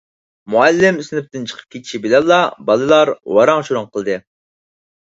مۇئەللىم سىنىپتىن چىقىپ كېتىشى بىلەنلا، بالىلار ۋاراڭ-چۇرۇڭ قىلدى.